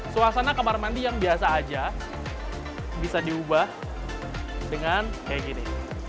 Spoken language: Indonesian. suasana kamar mandi yang biasa aja bisa diubah dengan kayak gini